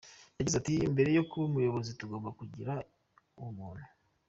Yagize ati ” Mbere yo kuba umuyobozi tugomba kugira ubumuntu.